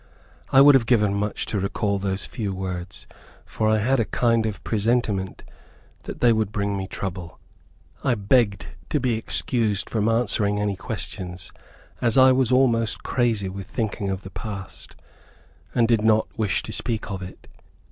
I would have given much to recall those few words, for I had a kind of presentiment that they would bring me trouble. I begged to be excused from answering any questions, as I was almost crazy with thinking of the past and did not wish to speak of it.